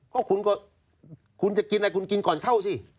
ก็คุณก็คุณจะกินอะไรคุณกินก่อนเข้าสิ